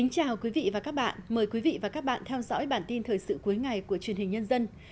chào mừng quý vị đến với bản tin thời sự cuối ngày của truyền hình nhân dân